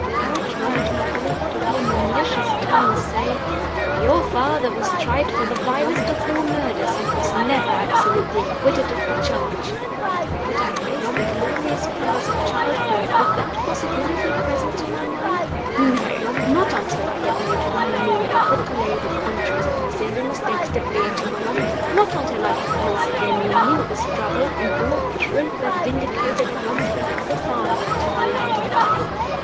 Our child might live to hear malicious tongues say, "Your father was tried for the vilest of all murders, and was never absolutely acquitted of the charge." Could I face the glorious perils of childbirth with that possibility present to my mind? No! not until I had made one more effort to lay the conscience of Miserrimus Dexter bare to my view! not until I had once again renewed the struggle, and brought the truth that vindicated the husband and the father to the light of day!